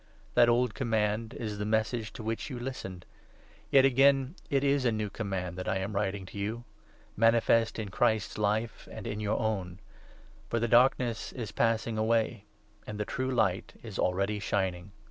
That old command is the Message to which you listened. Yet, again, it is a new Command that I am writing to you — 8 manifest in Christ's life and in your own — for the Darkness is passing away and the true Light is already shining.